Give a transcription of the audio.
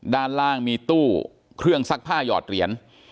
ด้านล่างมีตู้เครื่องซักผ้าหยอดเหรียญ